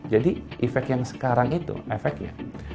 jadi efek yang sekarang itu efeknya